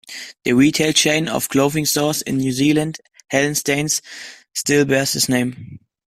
The retail chain of clothing stores in New Zealand, Hallensteins, still bears his name.